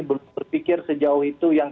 berpikir sejauh itu yang